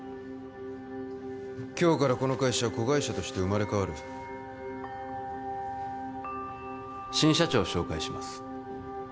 今日からこの会社は子会社として生まれ変わる新社長を紹介します